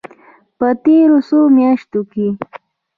په تېرو څو میاشتو کې